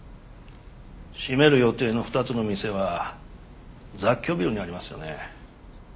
閉める予定の２つの店は雑居ビルにありますよね？